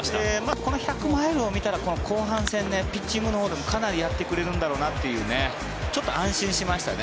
この１００マイルを見たら後半戦ピッチングでもかなりやってくれるんだろうなというちょっと安心しましたね。